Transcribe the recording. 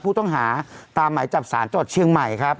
ผู้ต้องหาตามหมายจับสารจังหวัดเชียงใหม่ครับ